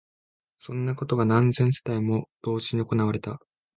そんなことが何千世帯も同時に行われた